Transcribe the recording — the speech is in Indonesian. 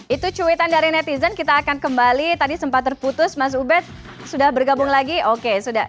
itu cuitan dari netizen kita akan kembali tadi sempat terputus mas ubed sudah bergabung lagi oke